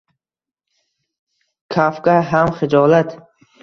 «Kafka ham xijolat!»